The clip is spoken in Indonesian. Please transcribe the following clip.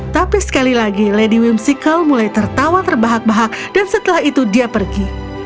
tapi sekali lagi lady whimsical mulai tertawa terbahak bahak dan setelah itu dia pergi